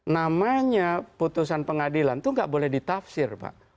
namanya putusan pengadilan itu nggak boleh ditafsir pak